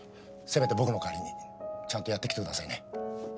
せめて僕の代わりにちゃんとやってきてくださいね。